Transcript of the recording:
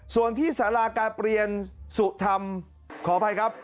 ส่วนที่สาราการเปลี่ยนสุธรรมขออภัยครับ